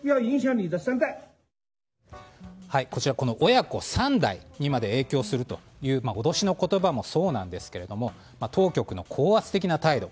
親子３代にまで影響するという脅しの言葉もそうなんですけど当局の高圧的な態度